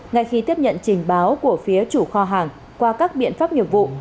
ngay khi tiếp nhận trình báo của phía chủ kho hàng qua các biện pháp nghiệp vụ